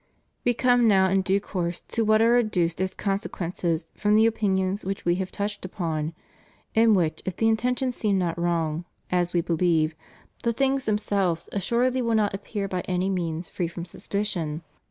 We come now in due course to what are adduced as consequences from the opinions which We have touched upon ; in which if the intention seem not wrong, as We be lieve, the things themselves assuredly will not appear by any means free from suspicion.